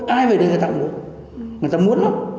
ai về đây người ta muốn người ta muốn lắm